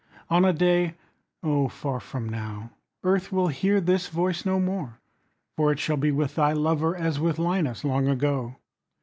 On a day (Oh, far from now!) Earth will hear this voice no more; 10 For it shall be with thy lover As with Linus long ago.